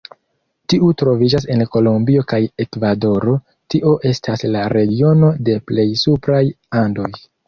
Tiu troviĝas en Kolombio kaj Ekvadoro, tio estas la regiono de plej supraj Andoj.